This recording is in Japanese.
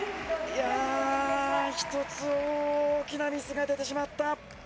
一つ大きなミスが出てしまった。